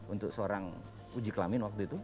untuk seorang uji kelamin waktu itu